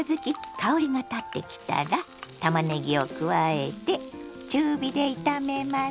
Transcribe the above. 香りがたってきたらたまねぎを加えて中火で炒めます。